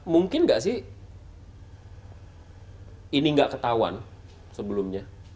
mungkin nggak sih ini nggak ketahuan sebelumnya